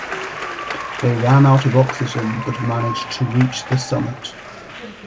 They ran out of oxygen but managed to reach the summit.